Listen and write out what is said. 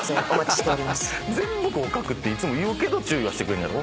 全部合格っていつも言うけど注意はしてくれんのやろ？